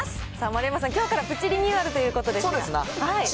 丸山さん、きょうからプチリニューアルということですが。